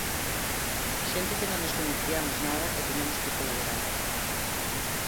Xente que non nos coñeciamos nada e tiñamos que colaborar.